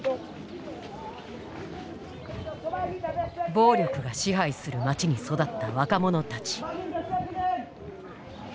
暴力が支配する街に育った若者たち。